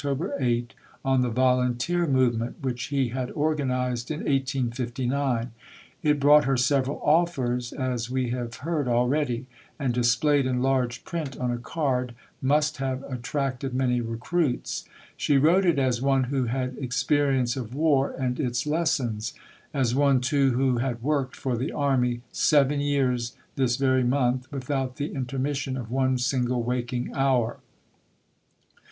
8) on the Volunteer Movement, which he had organized in 1859. It brought her several "offers," as we have heard already; and, displayed in large print on a card, must have attracted many recruits. She wrote it as one who had experience of war and its lessons; as one, too, who had worked for the Army, "seven years this very month, without the intermission of one single waking hour."